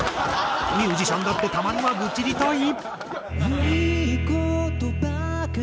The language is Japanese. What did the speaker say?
ミュージシャンだってたまには愚痴りたい？